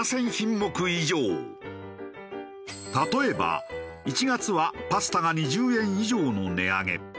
例えば１月はパスタが２０円以上の値上げ。